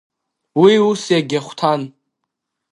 Уи ус иагьахәҭан.